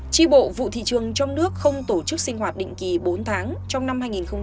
tri bộ vụ thị trường trong nước không tổ chức sinh hoạt định kỳ bốn tháng trong năm hai nghìn một mươi tám